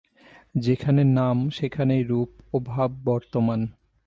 যেখানে নাম, সেখানেই রূপ ও ভাব বর্তমান।